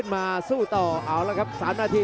โอ้โหไม่พลาดกับธนาคมโด้แดงเขาสร้างแบบนี้